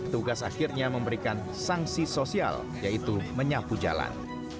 tugas akhirnya memberikan sanksi sosial yaitu menyapu jalan